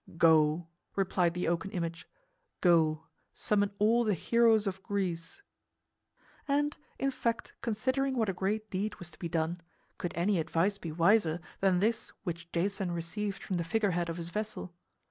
"Go," replied the oaken image, "go, summon all the heroes of Greece." And, in fact, considering what a great deed was to be done, could any advice be wiser than this which Jason received from the figurehead of his vessel?